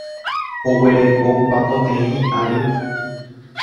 Oguereko papoteĩ ary.